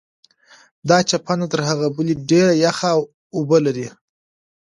دا چینه تر هغې بلې ډېرې یخې اوبه لري.